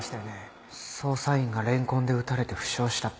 捜査員がレンコンで撃たれて負傷したって。